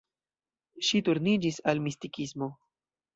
Ŝi turniĝis al mistikismo.